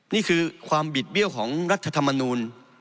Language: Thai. นี่คือความบิดเบี้ยวของรัฐธรรมนูล